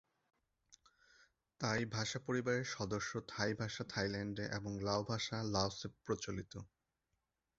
তাই ভাষাপরিবারের সদস্য থাই ভাষা থাইল্যান্ডে এবং লাও ভাষা লাওসে প্রচলিত।